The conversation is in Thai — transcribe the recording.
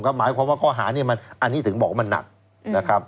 ก็หมายความว่าข้อหาอันนี้ถึงบอกว่ามันหนัก